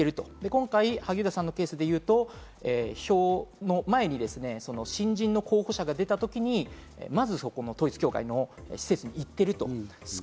今回、萩生田さんのケースでいうと、票の前に新人の候補者が出た時にまずそこの統一教会の施設に行ってると。